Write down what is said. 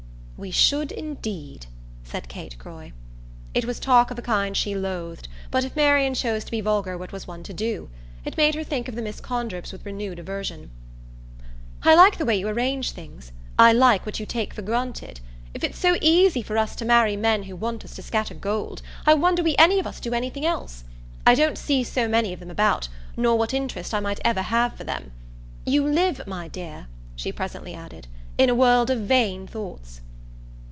"We should indeed!" said Kate Croy. It was talk of a kind she loathed, but if Marian chose to be vulgar what was one to do? It made her think of the Miss Condrips with renewed aversion. "I like the way you arrange things I like what you take for granted. If it's so easy for us to marry men who want us to scatter gold, I wonder we any of us do anything else. I don't see so many of them about, nor what interest I might ever have for them. You live, my dear," she presently added, "in a world of vain thoughts."